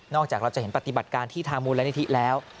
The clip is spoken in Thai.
จากเราจะเห็นปฏิบัติการที่ทางมูลนิธิแล้ว